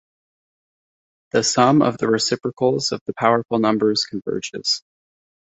The sum of the reciprocals of the powerful numbers converges.